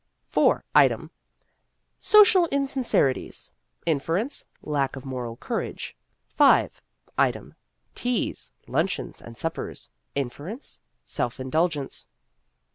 IV. Item : Social insincerities. Inference : Lack of moral courage. V. Item : Teas, luncheons, and suppers. Inference : Self indulgence.